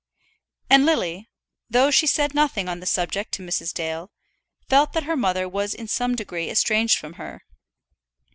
And Lily, though she said nothing on the subject to Mrs. Dale, felt that her mother was in some degree estranged from her.